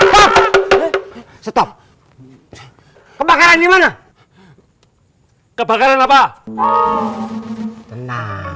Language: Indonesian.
hai stop kebakaran dimana kebakaran apa